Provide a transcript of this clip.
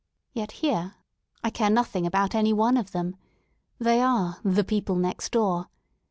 Yet, here, I care nothing about any one of them. They are *'the people next door."